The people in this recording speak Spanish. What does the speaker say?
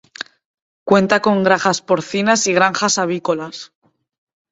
Cuenta con granjas porcinas y granjas avícolas.